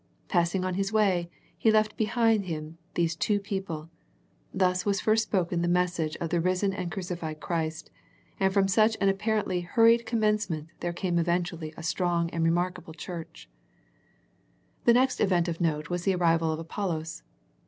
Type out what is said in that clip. Passing on his way, he left behind him these two people. Thus was first spoken the message of the risen and cru cified Christ, and from such an apparently hur ried commencement there came eventually a strong and remarkable church. 31 32 A First Century Message The next event of note was the arrival of Apollos.